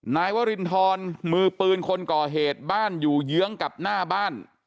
นายวรินทรมือปืนคนก่อเหตุบ้านอยู่เยื้องกับหน้าบ้าน